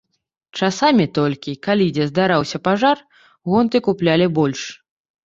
Часамі толькі, калі дзе здараўся пажар, гонты куплялі больш.